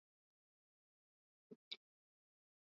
Ni mubaya kulala na simu ku kichwa